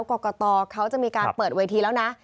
กรกตเขาจะมีการเปิดเวทีแล้วนะ